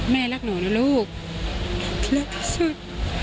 แม่รักหนูนะลูกรักที่สุด